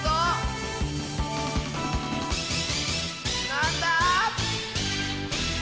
なんだ？